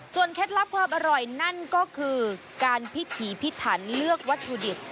เคล็ดลับความอร่อยนั่นก็คือการพิถีพิถันเลือกวัตถุดิบ